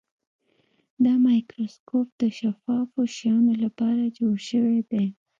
دا مایکروسکوپ د شفافو شیانو لپاره جوړ شوی دی.